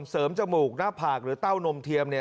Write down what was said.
จมูกหน้าผากหรือเต้านมเทียม